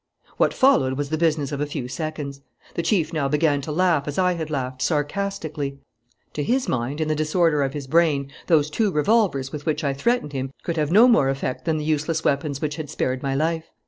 "What followed was the business of a few seconds. The chief now began to laugh as I had laughed, sarcastically. To his mind, in the disorder of his brain, those two revolvers with which I threatened him could have no more effect than the useless weapons which had spared my life.